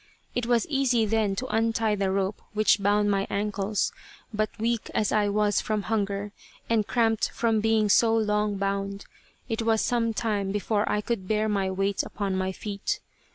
It was easy then to untie the rope which bound my ankles, but weak as I was from hunger, and cramped from being so long bound, it was some time before I could bear my weight upon my feet.